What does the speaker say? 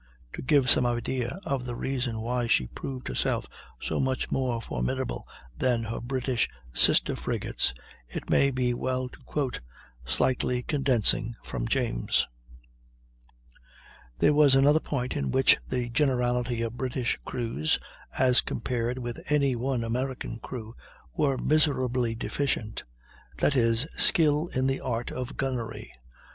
To give some idea of the reason why she proved herself so much more formidable than her British sister frigates it may be well to quote, slightly condensing, from James: "There was another point in which the generality of British crews, as compared with any one American crew, were miserably deficient; that is, skill in the art of gunnery.